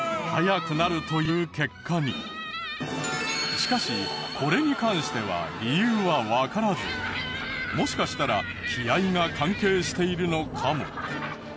しかしこれに関しては理由はわからずもしかしたら気合が関係しているのかも。